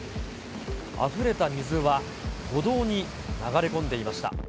あふれた水は歩道に流れ込んでいました。